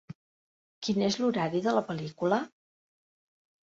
Quin és l'horari de la pel·lícula